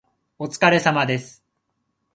お疲れ様です